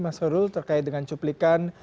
mas horul terkait dengan cuplikan